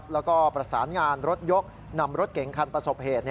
แล้วก็ประสานงานรถยกนำรถเก๋งคันประสบเหตุ